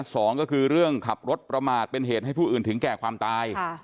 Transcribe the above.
สองก็คือเรื่องขับรถประมาทเป็นเหตุให้ผู้อื่นถึงแก่ความตาย